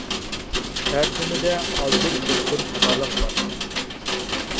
تەرجىمەمدە ئازدۇر-كۆپتۇر خاتالىق باركەن.